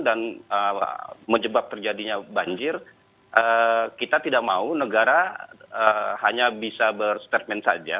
dan menyebabkan terjadinya banjir kita tidak mau negara hanya bisa berstatement saja